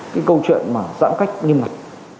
cái câu chuyện mà giãn cách nghiêm ngặt